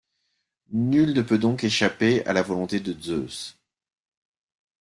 Nul ne peut donc échapper à la volonté de Zeus.